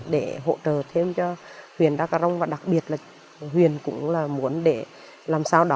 để hỗ trợ thêm cho huyện đắk rông và đặc biệt là huyện cũng là muốn để làm sao đó